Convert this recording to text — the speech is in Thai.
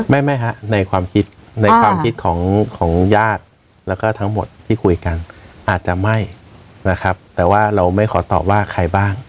ไม่ฮะในความคิดในความคิดของญาติแล้วก็ทั้งหมดที่คุยกันอาจจะไม่นะครับแต่ว่าเราไม่ขอตอบว่าใครบ้าง